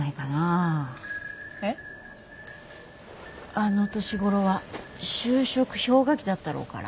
あの年頃は就職氷河期だったろうから。